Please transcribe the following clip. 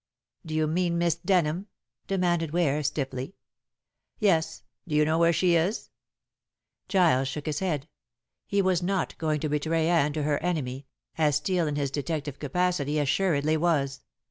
"Do you mean Miss Denham?" demanded Ware stiffly. "Yes. Do you know where she is?" Giles shook his head. He was not going to betray Anne to her enemy, as Steel in his detective capacity assuredly was.